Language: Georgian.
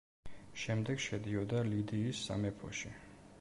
შემდეგ შედიოდა ლიდიის სამეფოში.